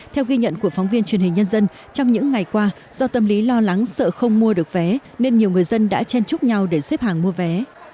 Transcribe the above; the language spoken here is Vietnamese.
theo ghi nhận của phóng viên truyền hình nhân dân trong những ngày qua do tâm lý lo lắng sợ không mua được vé nên nhiều người dân đã chen chúc nhau để xếp hàng mua vé